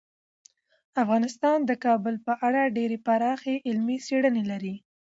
افغانستان د کابل په اړه ډیرې پراخې علمي څېړنې لري.